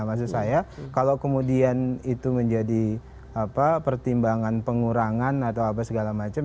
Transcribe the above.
maksud saya kalau kemudian itu menjadi pertimbangan pengurangan atau apa segala macam